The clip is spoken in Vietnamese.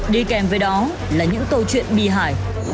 đi kèm với đó là những câu chuyện bi hải